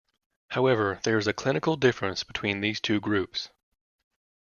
However, there is a clinical difference between these two groups.